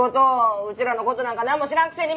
うちらの事なんかなんも知らんくせに。